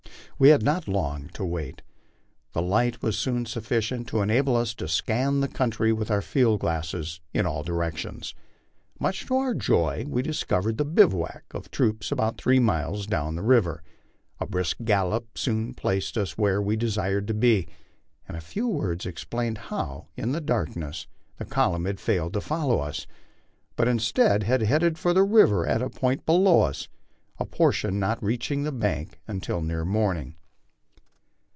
We had not long to wait. The light was soon sufficient to enable us to scan the country with our field glasses in all directions. Much to our joy we discovered the bivouae of the troops about three miles down the river. A brisk gallop soon placed us where we desired to be, and a few words explained how, in the darkness, the column had failed to follow us, but instead had headed for the river at a point below us, a portion not reaching the bank until near morning.